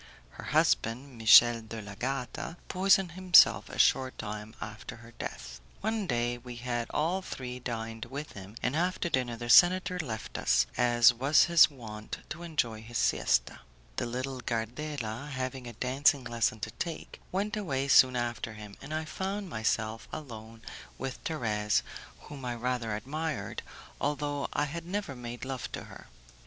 Her husband, Michel de l'Agata, poisoned himself a short time after her death. One day we had all three dined with him, and after dinner the senator left us, as was his wont, to enjoy his siesta; the little Gardela, having a dancing lesson to take, went away soon after him, and I found myself alone with Thérèse, whom I rather admired, although I had never made love to her.